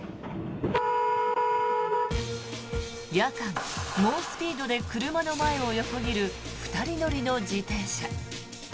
夜間、猛スピードで車の前を横切る２人乗りの自転車。